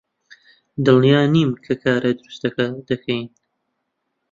دڵنیا نیم کە کارە دروستەکە دەکەین.